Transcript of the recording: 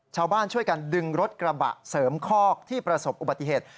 ชาวบ้านช่วยกันดึงรถกระบะเสริมคอกที่ประสบอุบัติเหตุ